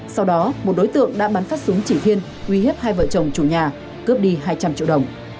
sau đó một đối tượng đã bắn phát súng chỉ thiên uy hiếp hai vợ chồng chủ nhà cướp đi hai trăm linh triệu đồng